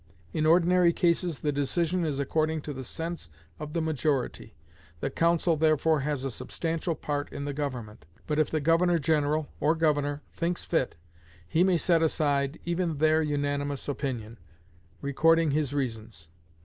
In ordinary cases the decision is according to the sense of the majority; the council, therefore, has a substantial part in the government; but if the governor general, or governor, thinks fit, he may set aside even their unanimous opinion, recording his reasons.